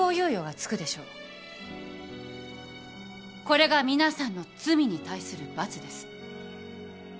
これが皆さんの罪に対する罰です。